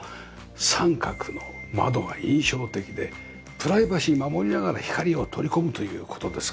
三角の窓が印象的でプライバシーを守りながら光を取り込むという事ですか。